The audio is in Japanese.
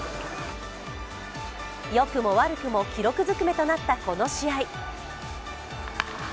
良くも悪くも記録づくめとなったこの試合。